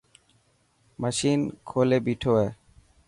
مشِن کولي ٻيٺو هي.